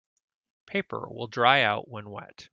Paper will dry out when wet.